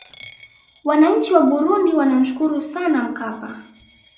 wananchi wa burundi wanamshukuru sana mkapa